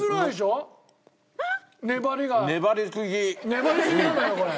粘りすぎなんだよこれ。